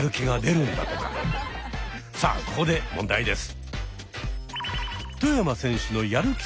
さあここで問題です。